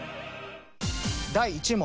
第１問。